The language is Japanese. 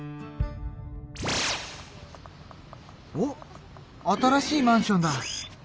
おっ新しいマンションだ。